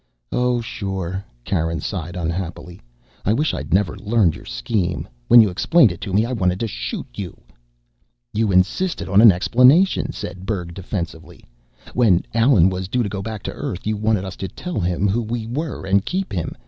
"Oh, sure." Karen sighed unhappily. "I wish I'd never learned your scheme. When you explained it to me I wanted to shoot you." "You insisted on an explanation," said Berg defensively. "When Allen was due to go back to Earth, you wanted us to tell him who we were and keep him.